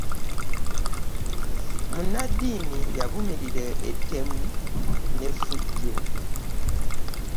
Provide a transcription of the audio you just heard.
Munadiini yavumirira ettemu ne ffujjo.